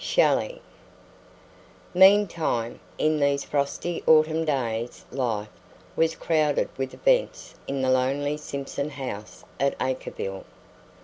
Shelley Meantime in these frosty autumn days life was crowded with events in the lonely Simpson house at Acreville.